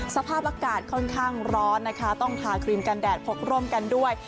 สภาพอากาศค่อนข้างร้อนนะคะต้องทาครีมกันแดดพกร่มกันด้วย